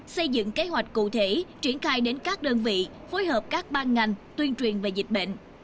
xây dựng kế hoạch cụ thể triển khai đến các đơn vị phối hợp các ban ngành tuyên truyền về dịch bệnh